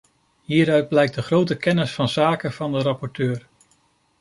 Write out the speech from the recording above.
Hieruit blijkt de grote kennis van zaken van de rapporteur.